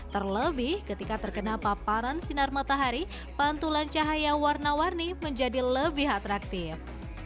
terlebih ketika terkena paparan sinar matahari pantulan cahaya warna warni menjadi lebih atraktif